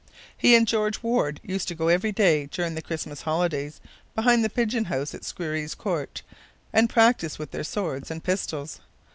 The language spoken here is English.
He and George Warde used to go every day during the Christmas holidays behind the pigeon house at Squerryes Court and practise with their swords and pistols.